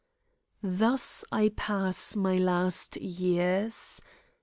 Thus I pass my last years.